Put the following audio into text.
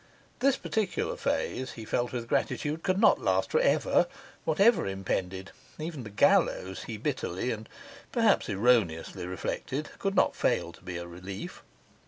This particular phase, he felt with gratitude, could not last for ever; whatever impended (even the gallows, he bitterly and perhaps erroneously reflected) could not fail to be a relief.